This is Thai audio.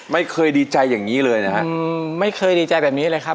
ไม่เคยดีใจอย่างงี้เลยนะฮะไม่เคยดีใจแบบนี้เลยครับ